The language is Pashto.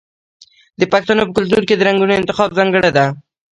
د پښتنو په کلتور کې د رنګونو انتخاب ځانګړی دی.